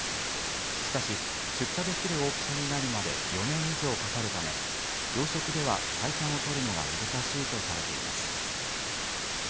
しかし、出荷できる大きさになるまで４年以上かかるため、養殖では採算を取るのが難しいとされています。